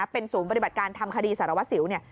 เป็นศูนย์บริบัติการทำคดีสารวัติสิว